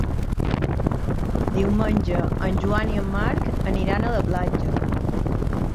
Diumenge en Joan i en Marc aniran a la platja.